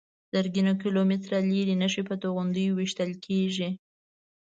زرګونه کیلومتره لرې نښې په توغندیو ویشتل کېږي.